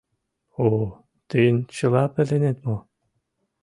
— О-о-о, тыйын чыла пеленет мо?